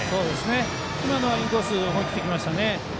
今のはインコース思い切ってきましたね。